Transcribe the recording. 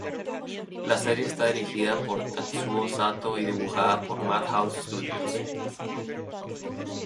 La serie está dirigida por Tatsuo Sato y dibujada por Madhouse Studios.